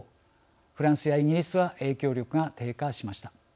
フランスやイギリスは影響力が低下しました。